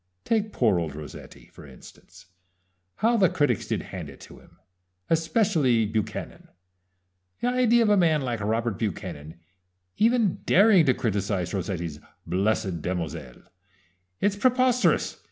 Take poor old Rossetti, for instance, how the critics did hand it to him, especially Buchanan the idea of a man like Robert Buchanan even daring to criticize Rossetti's 'Blessed Damozel'! It's preposterous!